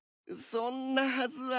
そんなはずは。